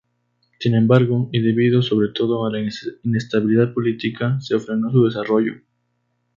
Sin embargo, y debido sobre todo a la inestabilidad política se frenó su desarrollo.